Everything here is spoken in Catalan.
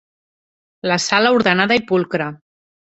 La sala ordenada i pulcra